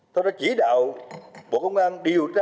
tôi đã chỉ đạo bộ công an điều tra